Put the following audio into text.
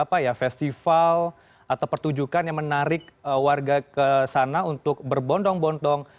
apakah ada suatu apa ya festival atau pertujukan yang menarik warga ke sana untuk berbondong bondong